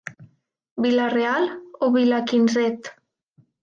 Vila-real o vila quinzet?